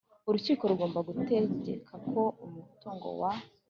urukiko rugomba gutegeka ko umutungo wa